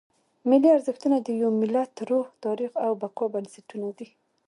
ملي ارزښتونه د یو ملت د روح، تاریخ او بقا بنسټونه دي.